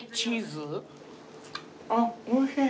あっおいしい。